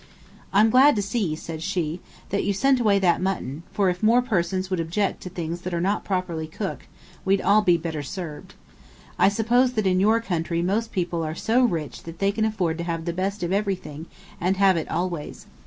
"I'm glad to see," said she, "that you sent away that mutton, for if more persons would object to things that are not properly cooked we'd all be better served. I suppose that in your country most people are so rich that they can afford to have the best of everything and have it always.